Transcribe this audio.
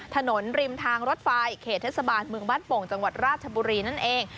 ถนนริมทางรถไฟเขตเทศบาลเมืองบ้านโป่งจังหวัดราชบุรีนั่นเอง